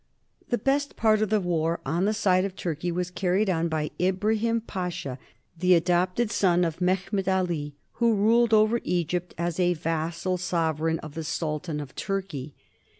The best part of the war on the side of Turkey was carried on by Ibrahim Pasha, the adopted son of Mehemet Ali, who ruled over Egypt as a vassal sovereign to the Sultan of Turkey.